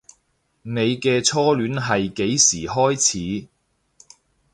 你嘅初戀係幾時開始